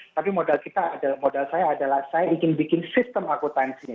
tapi modal saya adalah saya ingin bikin sistem akutansinya